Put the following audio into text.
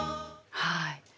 はい。